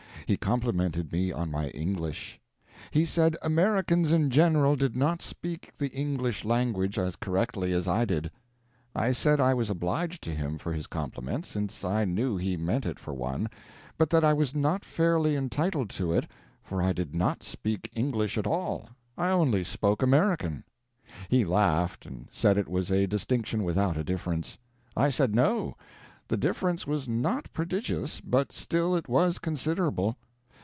He complimented me on my English. He said Americans in general did not speak the English language as correctly as I did. I said I was obliged to him for his compliment, since I knew he meant it for one, but that I was not fairly entitled to it, for I did not speak English at all I only spoke American. He laughed, and said it was a distinction without a difference. I said no, the difference was not prodigious, but still it was considerable.